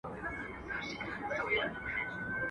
o د صبر کاسه درنه ده.